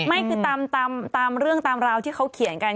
ไม่คือตามเรื่องตามราวที่เขาเขียนกัน